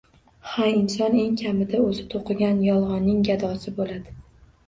Ha, inson eng kamida o‘zi to‘qigan yolg‘onning gadosi bo‘ladi.